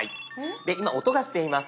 今音がしています。